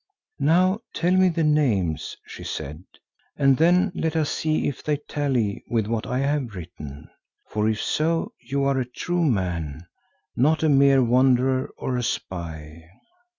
"Now tell me the names," she said, "and then let us see if they tally with what I have written, for if so you are a true man, not a mere wanderer or a spy."